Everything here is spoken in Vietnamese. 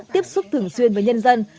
tiếp xúc thường xuyên với nhân dân